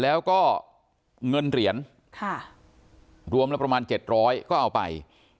แล้วก็เงินเหรียญรวมแล้วประมาณ๗๐๐ก็เอาไป